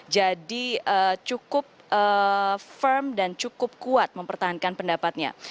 jadi cukup firm dan cukup kuat mempertahankan pendapatnya